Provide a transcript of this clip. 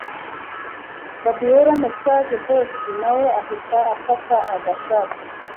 Fabiora message boss nawe ahita afata agashati